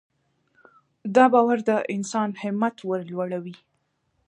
دا باور د انسان همت ورلوړوي.